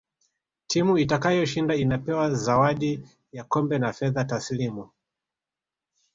timu itakayoshinda inapewa zawadi ya kombe na fedha tasilimu